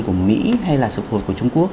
của mỹ hay là sự phục hồi của trung quốc